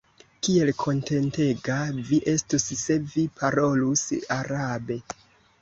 Kiel kontentega vi estus, se vi parolus arabe.